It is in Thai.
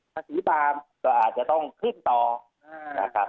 ถ้าสีตามก็อาจจะต้องขึ้นต่อนะครับ